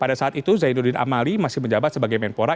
pada saat itu zainuddin amali masih menjabat sebagai menpora